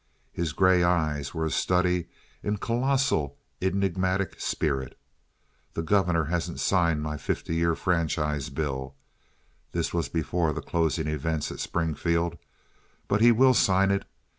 His gray eyes were a study in colossal enigmatic spirit. "The governor hasn't signed my fifty year franchise bill" (this was before the closing events at Springfield), "but he will sign it.